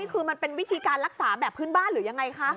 คือมันเป็นวิธีการรักษาแบบพื้นบ้านหรือยังไงคะ